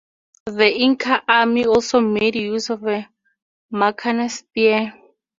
The Inca army also made use of a 'macana spear'.